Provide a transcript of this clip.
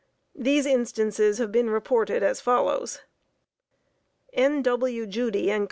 These instances have been reported as follows: N. W. Judy & Co.